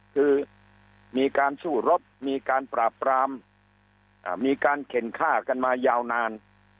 คือมีการสู้รบมีการปราบปรามมีการเข็นฆ่ากันมายาวนาน